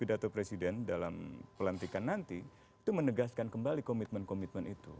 pidato presiden dalam pelantikan nanti itu menegaskan kembali komitmen komitmen itu